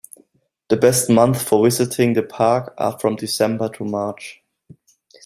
The best months for visiting the park are from December to March.